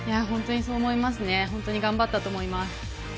本当にそう思います、本当に頑張ったと思います。